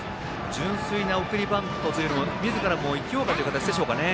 純粋な送りバントというよりもみずからも生きようかという形でしょうかね。